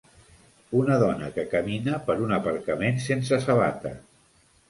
Una dona que camina per un aparcament sense sabates.